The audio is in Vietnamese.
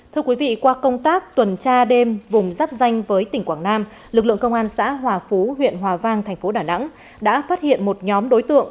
thưa quý vị qua công tác tuần tra đêm vùng giáp danh với tỉnh quảng nam lực lượng công an xã hòa phú huyện hòa vang thành phố đà nẵng đã phát hiện một nhóm đối tượng